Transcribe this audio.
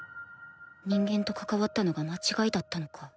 人間と関わったのが間違いだったのか？